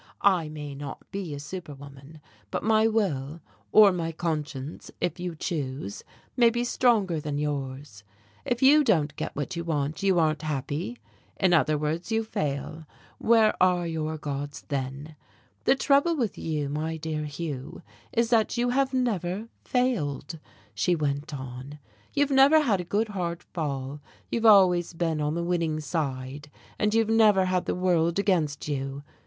I may not be a superwoman, but my will, or my conscience, if you choose, may be stronger than yours. If you don't get what you want, you aren't happy. In other words, you fail. Where are your gods then? The trouble with you, my dear Hugh, is that you have never failed," she went on, "you've never had a good, hard fall, you've always been on the winning side, and you've never had the world against you.